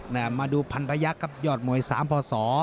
มาดูพันธุ์พระยักษ์กับยอดมวยสามพ่อสอ